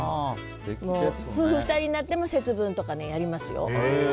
夫婦２人になっても節分とかやりますよ。